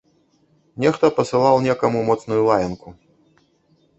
Нехта пасылаў некаму моцную лаянку.